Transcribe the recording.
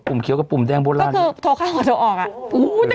ปุ่มเขียวกับปุ่มแดงโบราณโทรข้างกับโทรออกอ่ะอู้แต่